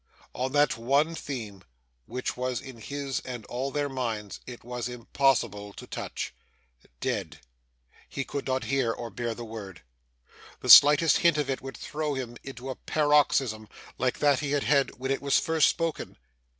On that one theme, which was in his and all their minds, it was impossible to touch. Dead! He could not hear or bear the word. The slightest hint of it would throw him into a paroxysm, like that he had had when it was first spoken.